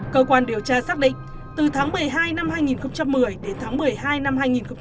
cơ quan điều tra xác định từ tháng một mươi hai năm hai nghìn một mươi đến tháng một mươi hai năm hai nghìn một mươi bảy